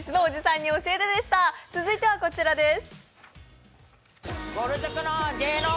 続いてはこちらです。